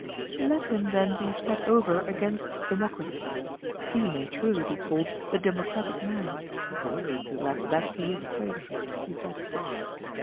Let him then be set over against democracy; he may truly be called the democratic man. Let that be his place, he said.